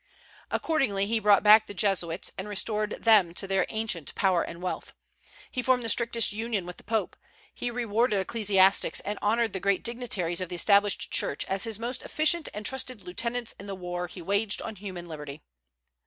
Accordingly, he brought back the Jesuits, and restored them to their ancient power and wealth. He formed the strictest union with the Pope. He rewarded ecclesiastics, and honored the great dignitaries of the established church as his most efficient and trusted lieutenants in the war he waged on human liberty.